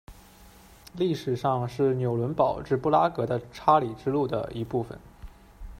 历史上是纽伦堡至布拉格的查理之路的一部份。